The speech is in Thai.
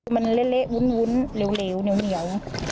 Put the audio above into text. มันเละวุ้นเหลวเหนียว